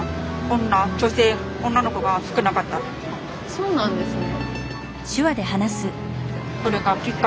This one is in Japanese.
そうなんですね。